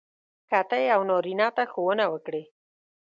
که ته یو نارینه ته ښوونه وکړې.